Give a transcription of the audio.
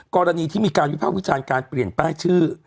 กรณีที่มีการวิภาควิจารณ์การเปลี่ยนป้ายชื่อ